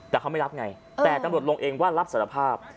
แต่เขาไม่รับไงแต่ตำรวจลงเองว่ารับสารภาพ